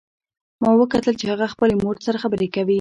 ما وکتل چې هغه خپلې مور سره خبرې کوي